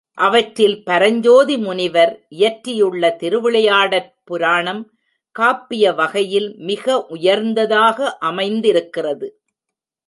அவற்றில் பரஞ்சோதி முனிவர் இயற்றியுள்ள திருவிளையாடற் புராணம் காப்பிய வகையில் மிக உயர்ந்ததாக அமைந்திருக்கிறது.